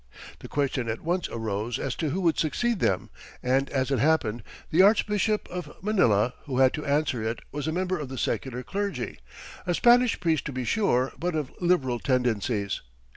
The question at once arose as to who would succeed them, and as it happened, the Archbishop of Manila who had to answer it was a member of the secular clergy, a Spanish priest to be sure, but of liberal tendencies.